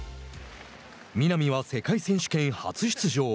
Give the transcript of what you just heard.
南は世界選手権初出場。